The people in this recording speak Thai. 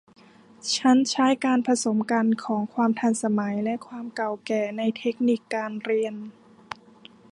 ฉันใช้การผสมกันของความทันสมัยและความเก่าแก่ในเทคนิคการเรียน